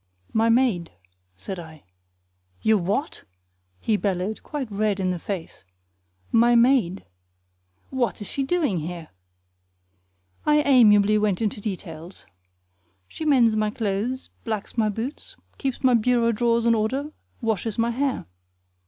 "My maid," said I. "Your what?" he bellowed, quite red in the face. "My maid." "What is she doing here?" I amiably went into details. "She mends my clothes, blacks my boots, keeps my bureau drawers in order, washes my hair."